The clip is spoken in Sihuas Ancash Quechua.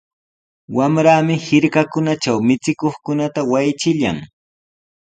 Wayrami hirkakunatraw michikuqkunata waychillan.